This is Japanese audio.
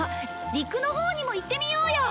陸のほうにも行ってみようよ！